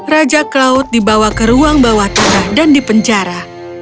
raja cloud dibawa ke ruang bawah tanah dan dipenjara